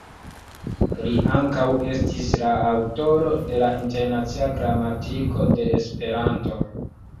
Li ankaŭ estis la aŭtoro de "Internacia Gramatiko de Esperanto.